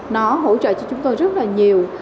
nó hỗ trợ cho chúng tôi rất là nhiều